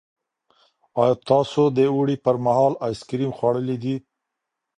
ایا تاسو د اوړي پر مهال آیس کریم خوړلي دي؟